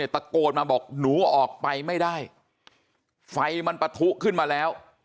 ตะโกนมาบอกหนูออกไปไม่ได้ไฟมันปะทุขึ้นมาแล้ว